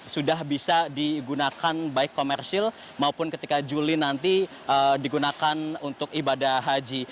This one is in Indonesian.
sudah bisa digunakan baik komersil maupun ketika juli nanti digunakan untuk ibadah haji